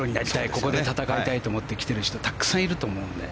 ここで戦いたいと思って来ている人たくさんいると思うので。